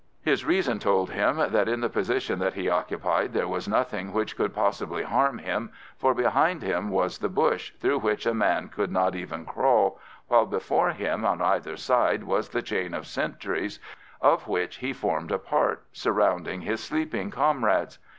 His reason told him that in the position that he occupied there was nothing which could possibly harm him, for behind him was the bush, through which a man could not even crawl, while before him and to either side was the chain of sentries, of which he formed a part, surrounding his sleeping comrades.